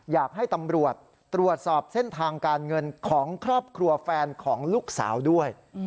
อยากให้ตำรวจตรวจสอบเส้นทางการเงินของครอบครัวแฟนของลูกสาวด้วย